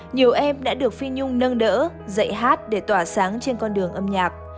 nhiều em đã được phi nhung nâng đỡ dạy hát để tỏa sáng trên con đường âm nhạc